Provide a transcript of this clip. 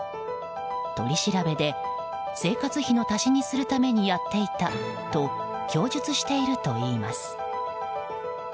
取り調べで生活費の足しにするためにやっていたと供述しているといいます。